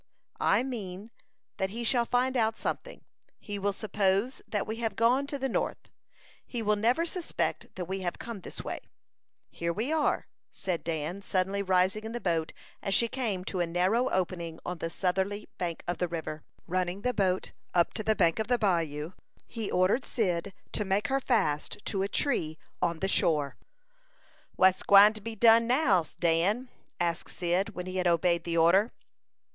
"I mean that he shall find out something. He will suppose that we have gone to the north. He will never suspect that we have come this way. Here we are," said Dan, suddenly rising in the boat, as she came to a narrow opening on the southerly bank of the river. Running the boat up to the bank of the bayou, he ordered Cyd to make her fast to a tree on the shore. "What's gwine to be done now, Dan?" asked Cyd, when he had obeyed the order.